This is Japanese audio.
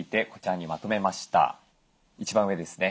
一番上ですね